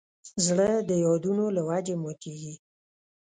زړه د یادونو له وجې ماتېږي.